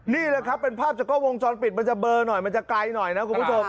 นี่แหละครับเป็นภาพจากกล้อวงจรปิดมันจะเบอร์หน่อยมันจะไกลหน่อยนะคุณผู้ชม